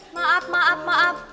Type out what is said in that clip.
bangat semua och to player